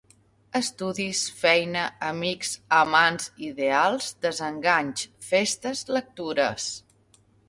Estudis feina amics amants ideals desenganys festes lectures.